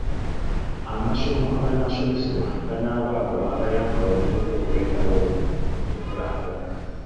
Amasomo aganaasomesebwa ganaaba ago agayamba abavubuka okuleetawo enkulaakulana.